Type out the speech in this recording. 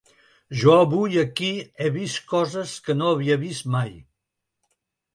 Jo avui aquí he vist coses que no havia vist mai.